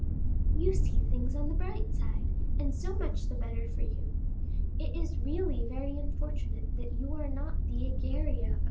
"You see things on the bright side, and so much the better for you. It is really very unfortunate that you are not the Egeria of M.